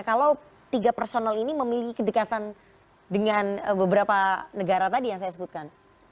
kalau tiga personal ini memiliki kedekatan dengan beberapa negara tadi yang saya sebutkan